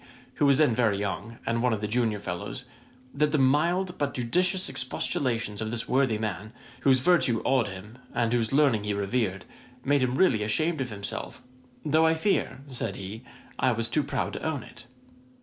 who was then very young, and one of the junior fellows; that the mild but judicious expostulations of this worthy man, whose virtue awed him, and whose learning he revered, made him really ashamed of himself, "though I fear (said he) I was too proud to own it."